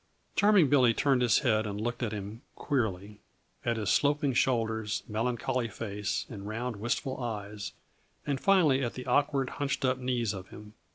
Charming Billy turned his head and looked at him queerly; at his sloping shoulders, melancholy face and round, wistful eyes, and finally at the awkward, hunched up knees of him.